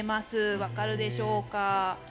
わかるでしょうか。